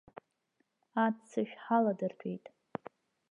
Аццышә ҳаладыртәеит.